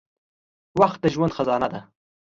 • وخت د ژوند خزانه ده.